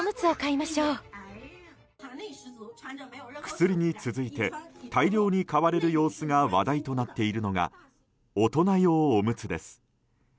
薬に続いて、大量に買われる様子が話題となっているのが大人用おむつです。